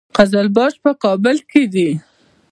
قزلباشان په کابل کې دي؟